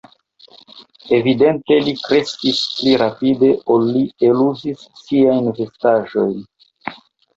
Evidente li kreskis pli rapide, ol li eluzis siajn vestaĵojn.